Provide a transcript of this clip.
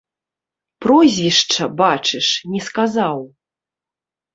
Прозвішча, бачыш, не сказаў!